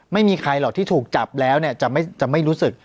ไม่มีใครหรอกที่ถูกจับแล้วเนี่ยจะไม่รู้สึก